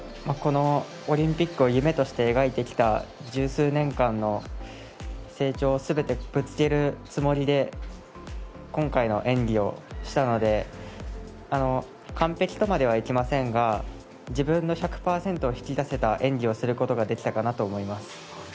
オリンピックを夢として描いてきた十数年間の成長を全てぶつけるつもりで今回の演技をしたので完璧とまではいきませんが自分の１００％を引き出せた演技をすることができてかなと思います。